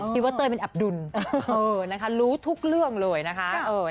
คิดว่าเต้ยเป็นอับดุลนะคะรู้ทุกเรื่องเลยนะคะ